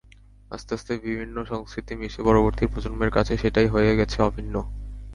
আস্তে আস্তে বিভিন্ন সংস্কৃতি মিশে পরবর্তী প্রজন্মের কাছে সেটাই হয়ে গেছে অভিন্ন।